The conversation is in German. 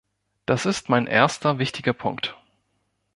Das ist mein erster wichtiger Punkt.